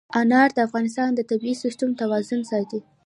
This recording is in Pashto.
انار د افغانستان د طبعي سیسټم توازن ساتي.